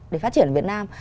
để phát triển ở việt nam